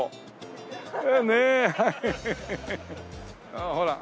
ああほら。